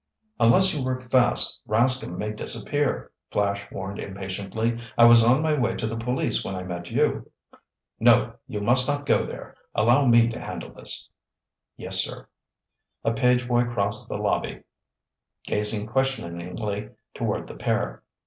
"Unless you work fast, Rascomb may disappear," Flash warned impatiently. "I was on my way to the police when I met you." "No, you must not go there! Allow me to handle this." "Yes, sir." A page boy crossed the lobby, gazing questioningly toward the pair.